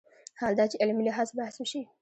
حال دا چې علمي لحاظ بحث وشي